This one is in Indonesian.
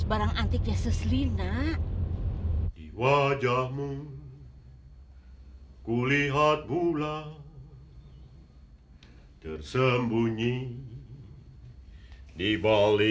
bagaimana ini para teman